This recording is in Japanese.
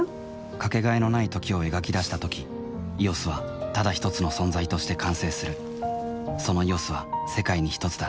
かけがえのない「時」を描き出したとき「ＥＯＳ」はただひとつの存在として完成するその「ＥＯＳ」は世界にひとつだ